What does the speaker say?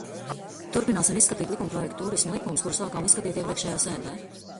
"Turpināsim izskatīt likumprojektu "Tūrisma likums", kuru sākām izskatīt iepriekšējā sēdē."